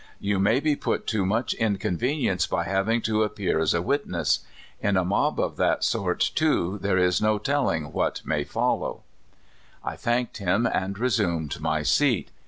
You may be put to much in convenience by having to appear as a witness; in a mob of that sort, too, there is no telling what may follow/ I thanked him, and resumed my seat.